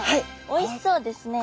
おいしそうですね。